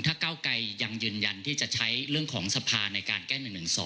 ถ้าเก้าไกรยังยืนยันที่จะใช้เรื่องของสภาในการแก้๑๑๒